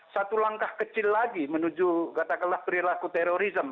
satu langkah kecil lagi menuju berlaku terorisme